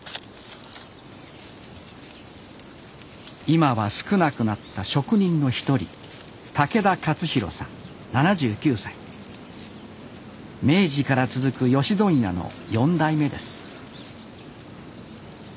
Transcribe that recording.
今は少なくなった職人の一人明治から続くヨシ問屋の４代目です